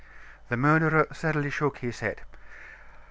The murderer sadly shook his head.